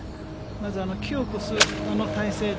まず木を越す、この体勢で。